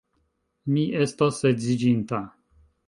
Mi estas edziĝinta.